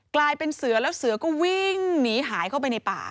กลายเป็นเสือแล้วเสือก็วิ่งหนีหายเข้าไปในป่า